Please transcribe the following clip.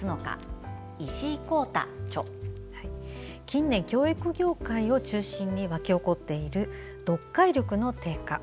近年、教育業界を中心に沸き起こっている読解力の低下。